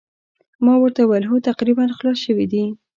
ما ورته وویل هو تقریباً خلاص شوي دي.